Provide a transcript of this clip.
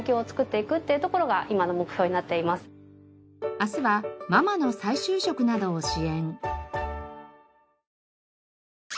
明日はママの再就職などを支援。